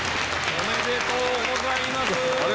ありがとうございます。